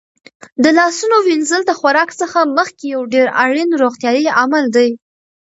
د لاسونو وینځل د خوراک څخه مخکې یو ډېر اړین روغتیايي عمل دی.